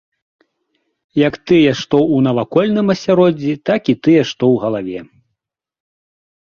Як тыя, што ў навакольным асяроддзі, так і тыя, што ў галаве.